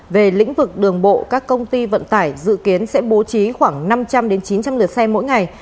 về lĩnh vực đường bộ các công ty vận tải dự kiến sẽ bố trí khoảng năm trăm linh chín trăm linh lượt xe mỗi ngày